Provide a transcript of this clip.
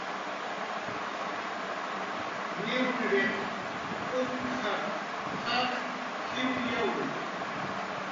"Niwniriq uk""ap"" jaq jiwyawi "